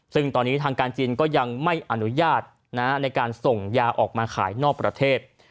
ซึ่งตอนนี้ทางการจีนก็ยังไม่อนุญาตในการส่งยาออกมาขายนอกประเทศ